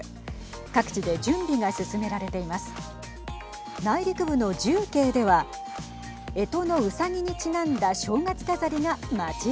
各地で準備が進められています。